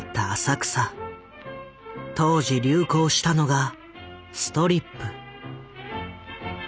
当時流行したのがストリップ。